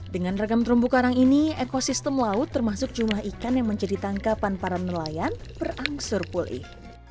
dengan regam terumbu karang ini ekosistem laut termasuk jumlah ikan yang menjadi tangkapan para nelayan berangsur pulih